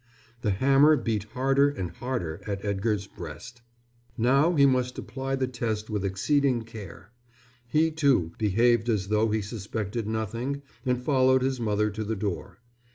The hammer beat harder and harder at Edgar's breast. Now he must apply the test with exceeding care. He, too, behaved as though he suspected nothing and followed his mother to the door.